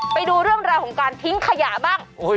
ไปดูเรื่องราวของการทิ้งขยะบ้าง